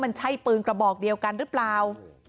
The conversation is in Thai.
มันใช่ปืนกระบอกเดียวกันหรือเปล่า